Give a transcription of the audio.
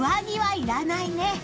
いらないね。